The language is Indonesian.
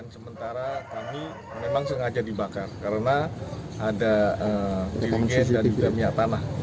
sementara kami memang sengaja dibakar karena ada piring gas dan juga minyak tanah